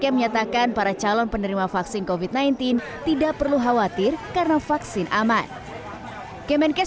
menyatakan para calon penerima vaksin covid sembilan belas tidak perlu khawatir karena vaksin aman kemenkes